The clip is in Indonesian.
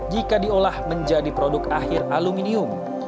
jika diolah menjadi produk akhir aluminium